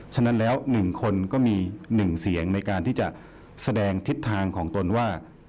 ฉะนั้นแล้ว๑คนก็มี๑เสียงในการที่จะแสดงทิศทางของตนว่า